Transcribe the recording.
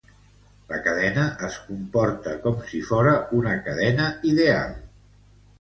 La cadena es comporta com si fora una cadena ideal.